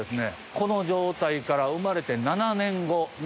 この状態から生まれて。